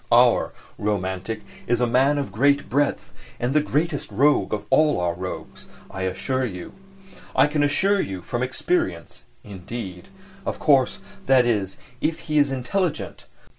Our "romantic" is a man of great breadth and the greatest rogue of all our rogues, I assure you.... I can assure you from experience, indeed. Of course, that is, if he is intelligent.